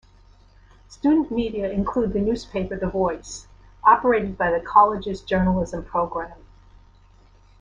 Student media include the newspaper "The Voice", operated by the College's Journalism Program.